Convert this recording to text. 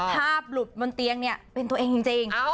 ภาพหลุดบนเตียงเนี่ยเป็นตัวเองจริง